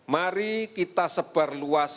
mari kita sebarluaskan dan lakukan